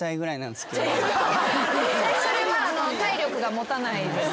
それは体力が持たないです。